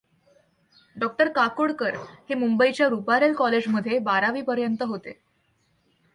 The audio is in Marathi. डॉ. काकोडकर हे मुंबईच्या रूपारेल कॉलेज मध्ये बारावीपर्यंत होते.